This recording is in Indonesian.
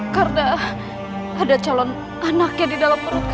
karena ada calon anaknya di dalam rumahku